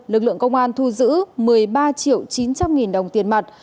lực lượng công an thu giữ một mươi ba triệu chín trăm linh nghìn đồng tiền mặt